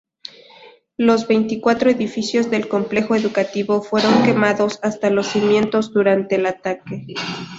Los veinticuatro edificios del complejo educativo fueron quemados hasta los cimientos durante el ataque.